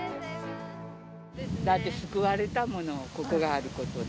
だって救われたもの、ここがあることで。